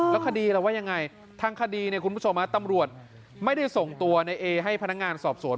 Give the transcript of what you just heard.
แล้วคดีเราว่ายังไงทางคดีเนี่ยคุณผู้ชมตำรวจไม่ได้ส่งตัวในเอให้พนักงานสอบสวน